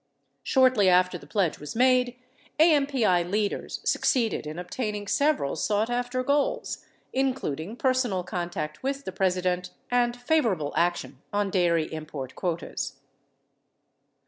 48 Shortly after the pledge was made, AMPI leaders succeeded in obtaining several sought after goals, including personal contact with the President and favorable action on dairy import quotas.